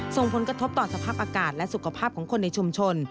ส่งผลกระทบต่อสภาพอากาศและสุขภาพของคนในชุมชน